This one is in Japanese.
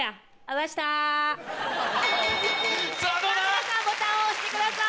皆さんボタンを押してください。